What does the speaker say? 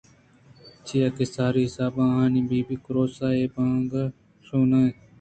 چیا کہ ساری ءِ حسابءَآہانی بی بی کُروس ءِ بانگءَاِشکُنگءَنہ اَت